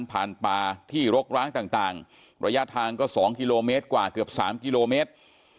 ป่าที่รกร้างต่างระยะทางก็๒กิโลเมตรกว่าเกือบ๓กิโลเมตร